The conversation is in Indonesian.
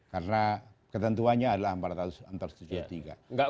karena ketentuanya adalah empat ratus antara tujuh puluh tiga